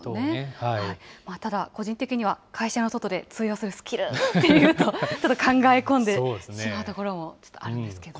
ただ、個人的には会社の外で通用するスキルっていうと、ちょっと考え込んでしまうところもちょっとあるんですけどね。